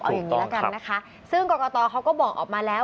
เอาอย่างนี้ละกันนะคะซึ่งกรกตเขาก็บอกออกมาแล้ว